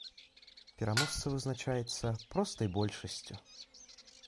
Пераможца вызначаецца простай большасцю.